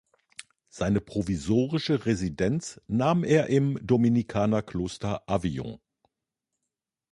Seine provisorische Residenz nahm er im Dominikanerkloster Avignon.